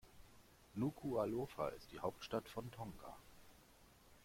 Nukuʻalofa ist die Hauptstadt von Tonga.